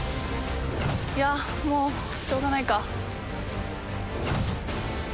いやもうしょうがないか。